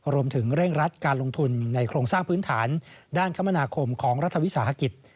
รวมถึงเร่งรัดการลงทุนในโครงสร้างพื้นฐานด้านคมนาคมของรัฐวิสาหกิจ